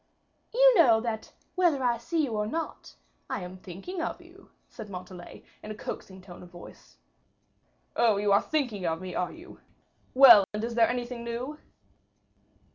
"You know that, whether I see you or not, I am thinking of you," said Montalais, in a coaxing tone of voice. "Oh, you are thinking of me, are you? well, and is there anything new?"